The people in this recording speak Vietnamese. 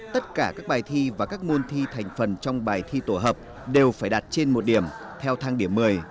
tất cả các bài thi và các môn thi thành phần trong bài thi tổ hợp đều phải đạt trên một điểm theo thang điểm một mươi